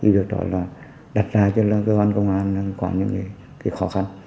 được đó là đặt ra cho cơ quan công an có những khó khăn